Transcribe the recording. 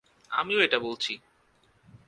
আমিও এটা বলছি।